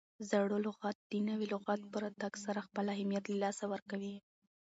زوړ لغت د نوي لغت په راتګ سره خپل اهمیت له لاسه ورکوي.